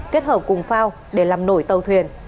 kết hợp cùng phao để làm nổi tàu thuyền